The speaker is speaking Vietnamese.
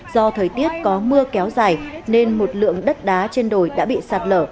do thời tiết có mưa kéo dài nên một lượng đất đá trên đồi đã bị sạt lở